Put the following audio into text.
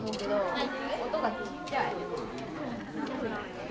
はい！